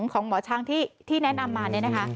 ของหมอช่างที่แนะนำมา